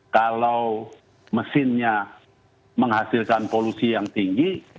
kalau mesinnya menghasilkan polusi yang tinggi